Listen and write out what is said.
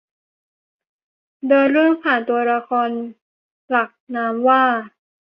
เดินเรื่องผ่านตัวละครหลักนามว่า